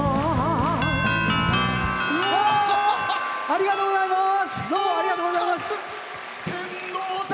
ありがとうございます！